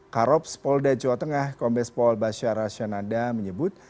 karops polda jawa tengah kombes paul basya rasyananda menyebut